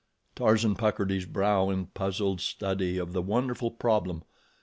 Tarzan puckered his brow in puzzled study of the wonderful problem.